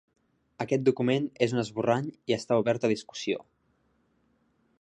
Aquest document és un esborrany i està obert a discussió.